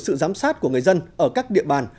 sự giám sát của người dân ở các địa bàn